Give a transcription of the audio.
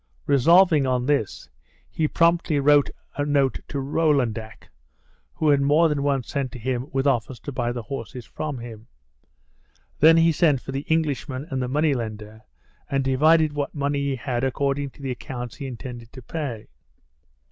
Resolving on this, he promptly wrote a note to Rolandak, who had more than once sent to him with offers to buy horses from him. Then he sent for the Englishman and the money lender, and divided what money he had according to the accounts he intended to pay.